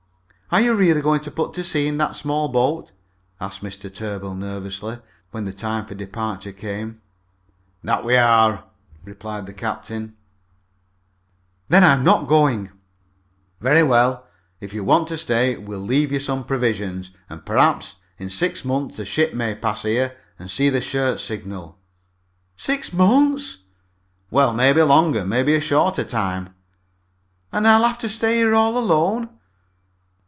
"Are you really going to put to sea in that small boat?" asked Mr. Tarbill nervously, when the time for departure came. "That's what we are," replied the captain. "Then I'm not going." "Very well. If you want to stay we'll leave you some provisions, and perhaps, in six months, a ship may pass here and see the shirt signal." "Six months?" "Well, maybe longer; maybe a shorter time." "And I'll have to stay here all alone?"